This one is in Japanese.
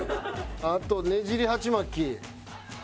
あとねじり鉢巻き。